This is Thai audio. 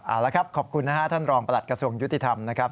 เอาละครับขอบคุณนะฮะท่านรองประหลัดกระทรวงยุติธรรมนะครับ